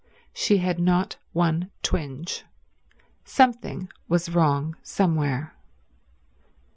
She had not one twinge. Something was wrong somewhere.